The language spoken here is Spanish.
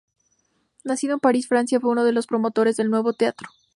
Nacido en París, Francia, fue uno de los promotores del nuevo teatro.